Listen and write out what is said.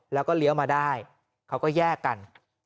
แล้วก็เลี้ยวมาได้เขาก็แยกกัน